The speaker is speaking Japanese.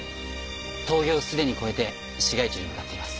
峠をすでに越えて市街地に向かっています。